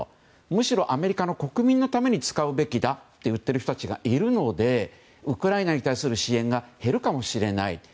むしろアメリカの国民のために使うべきだと言っている人たちがいるのでウクライナに対する支援が減るかもしれない。